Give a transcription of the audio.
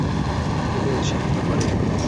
তিনি উৎসাহিত করেন।